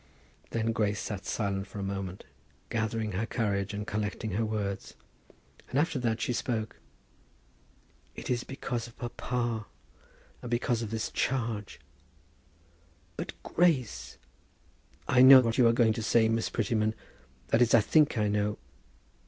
Then Grace sat silent for a moment, gathering her courage, and collecting her words; and after that she spoke. "It is because of papa, and because of this charge " "But, Grace " "I know what you are going to say, Miss Prettyman; that is, I think I know."